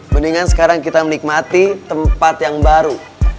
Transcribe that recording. mendingan sekarang kita menikmati tempat yang baru